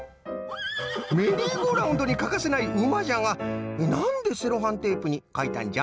メリーゴーラウンドにかかせないうまじゃがなんでセロハンテープにかいたんじゃ？